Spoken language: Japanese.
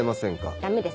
ダメです。